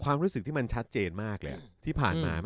ความรู้สึกที่มันชัดเจนมากเลยที่ผ่านมา